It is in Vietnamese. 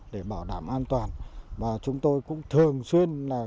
để bảo đảm an toàn